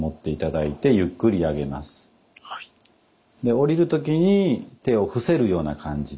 下りる時に手を伏せるような感じで。